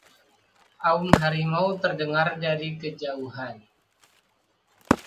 aum harimau terdengar dari kejauhan